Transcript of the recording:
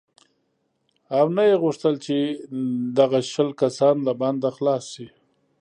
او نه یې غوښتل چې دغه سل کسان له بنده خلاص شي.